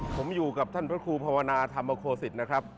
ผมอยู่กับท่านพระครูภาวนาธรรมโคศิษฐ์นะครับ